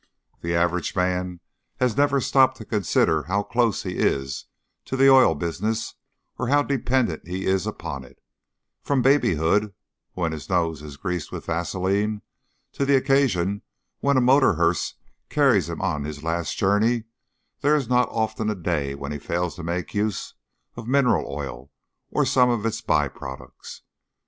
The average man has never stopped to consider how close he is to the oil business or how dependent he is upon it; from babyhood, when his nose is greased with vaseline, to the occasion when a motor hearse carries him on his last journey, there is not often a day when he fails to make use of mineral oil or some of its by products.